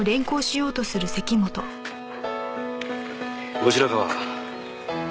後白河。